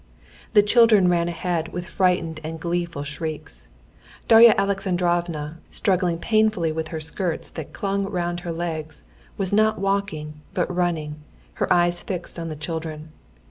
The children ran ahead with frightened and gleeful shrieks. Darya Alexandrovna, struggling painfully with her skirts that clung round her legs, was not walking, but running, her eyes fixed on the children.